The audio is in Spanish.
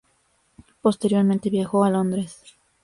Posteriormente viajó a Londres.